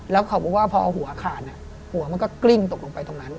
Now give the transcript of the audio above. แล้วเขาบอกว่าพอหัวขาดหัวมันก็กลิ้งตกลงไปตรงนั้น